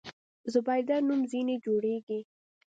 زبیده نوم ځنې جوړېږي.